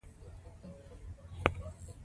افغانستان کې د رسوب د پرمختګ هڅې روانې دي.